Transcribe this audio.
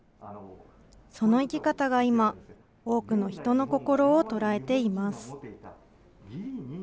その生き方が今、多くの人の心を捉えています。